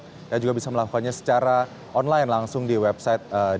kita juga bisa melakukannya secara online langsung di website